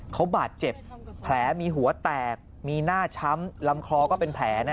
เขาบาดเจ็บแผลมีหัวแตกมีหน้าช้ำลำคอก็เป็นแผล